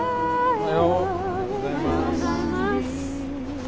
おはようございます。